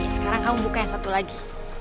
sekarang kamu buka yang satu lagi